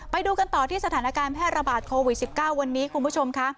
ไปดูกันต่อที่สถานการณ์แพร่ระบาดโควิด๑๙วันนี้คุณผู้ชมค่ะ